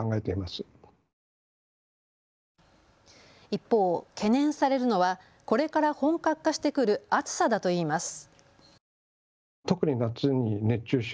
一方、懸念されるのは、これから本格化してくる暑さだといいます。